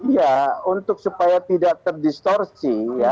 ya untuk supaya tidak terdistorsi ya